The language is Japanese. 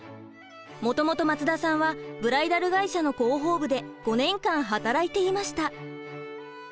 もともと松田さんはブライダル会社の広報部で５年間働いていました。